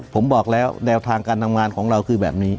ผมบอกแล้วแนวทางการทำงานของเราคือแบบนี้